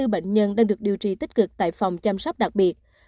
năm mươi bốn bệnh nhân đang được điều trị tích cực tại phòng chăm sóc đặc biệt